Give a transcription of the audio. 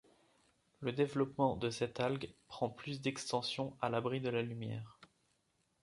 Le développement de cette algue prend plus d'extension à l'abri de la lumière.